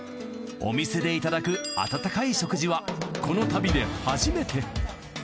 お店でいただく温かい食事はこの旅で初めて。